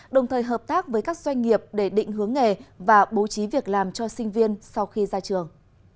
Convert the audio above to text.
đồng thời hợp tác với các doanh nghiệp để định hướng nghề và bố trí việc làm cho sinh viên sau khi ra trường